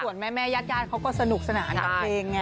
ส่วนแม่ญาติเขาก็สนุกสนานกับเพลงไง